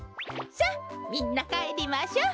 さっみんなかえりましょう。